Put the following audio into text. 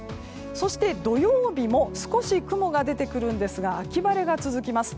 そして土曜日も少し雲が出てくるんですが秋晴れが続きます。